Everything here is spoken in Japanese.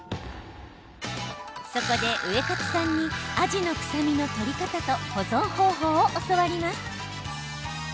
そこでウエカツさんにアジの臭みの取り方と保存方法を教わります。